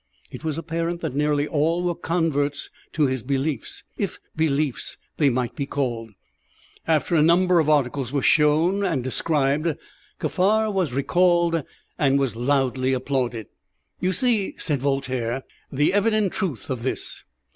It was apparent that nearly all were converts to his beliefs, if beliefs they might be called. After a number of articles were shown and described, Kaffar was recalled, and was loudly applauded. "You see," said Voltaire, "the evident truth of this.